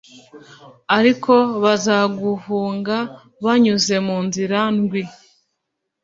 ariko bazaguhunga banyuze mu nzira ndwi